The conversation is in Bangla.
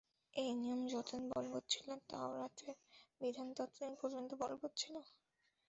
এই নিয়ম যতদিন বলবৎ ছিল তাওরাতের বিধান ততদিন পর্যন্ত বলবৎ ছিল।